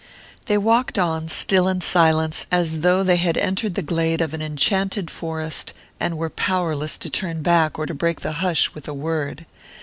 They walked on, still in silence, as though they had entered the glade of an enchanted forest and were powerless to turn back or to break the hush with a word.